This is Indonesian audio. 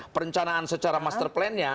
perencanaan secara master plan nya